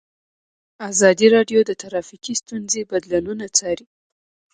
ازادي راډیو د ټرافیکي ستونزې بدلونونه څارلي.